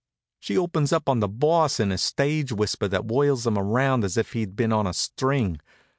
She opens up on the Boss in a stage whisper that whirls him around as if he'd been on a string.